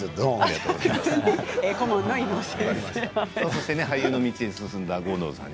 そして、俳優の道に進んだ郷敦さん。